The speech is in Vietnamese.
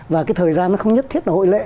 và cái thời gian nó không nhất thiết là hội lễ